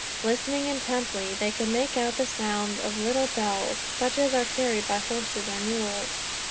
Listening intently, they could make out the sound of little bells, such as are carried by horses or mules.